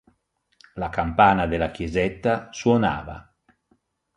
La campana della chiesetta suonava.